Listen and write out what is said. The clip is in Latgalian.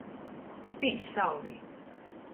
Spīst sauvē.